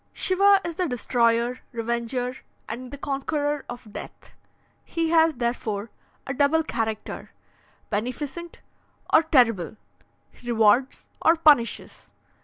"Shiva is the destroyer, revenger, and the conqueror of Death. He has, therefore, a double character, beneficent or terrible; he rewards or punishes.